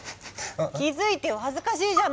気付いてよ恥ずかしいじゃない！